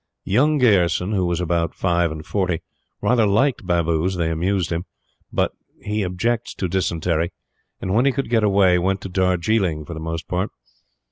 "Young" Gayerson he was about five and forty rather liked Babus, they amused him, but he objects to dysentery, and when he could get away, went to Darjilling for the most part.